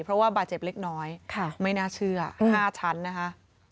เพราะว่าบาดเจ็บเล็กน้อยไม่น่าเชื่อ๕ชั้นนะคะ